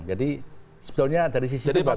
jadi sebenarnya dari sisi itu bagus